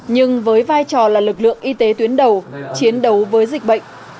nhưng với vai trò là lực lượng y tế tuyến đầu chiến đấu với dịch bệnh